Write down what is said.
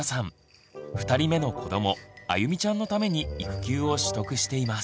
２人目の子どもあゆみちゃんのために育休を取得しています。